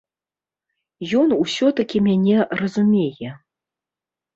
Ён усё-такі мяне разумее.